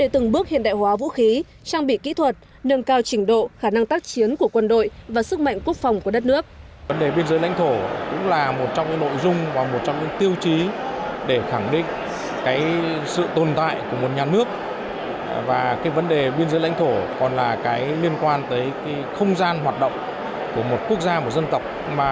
trang bị kỹ thuật nâng cao trình độ khả năng tác chiến của quân đội và sức mạnh quốc phòng của đất nước